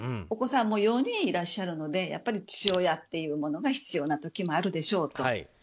お子さんも４人いらっしゃるので父親というものが必要な時もあるでしょうと。